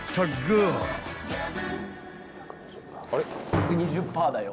「１２０％だよ」